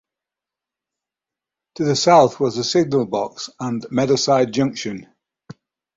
To the south was the signal box and Meadowside Junction.